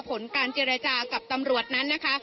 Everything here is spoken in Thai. ผลการเจรจากับตำรวจนั้นนะคะ